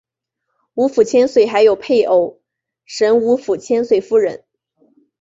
吴府千岁还有配偶神吴府千岁夫人。